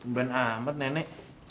ben amat nenek